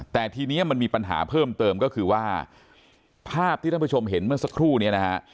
แต่ทีนี้มันมีปัญหาเพิ่มเติมก็คือว่าภาพที่ท่านผู้ชมเห็นเมื่อสักครู่นี้นะฮะ